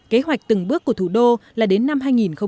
kế hoạch từng bước của thủ đô là đến năm hai nghìn hai mươi